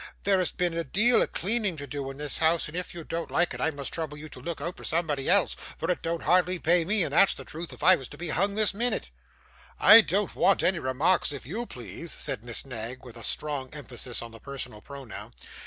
'There's been a deal o'cleaning to do in this house, and if you don't like it, I must trouble you to look out for somebody else, for it don't hardly pay me, and that's the truth, if I was to be hung this minute.' 'I don't want any remarks if YOU please,' said Miss Knag, with a strong emphasis on the personal pronoun.